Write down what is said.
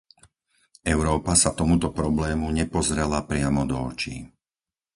Európa sa tomuto problému nepozrela priamo do očí.